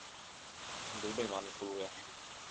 V brzké době se začal věnovat i činohře.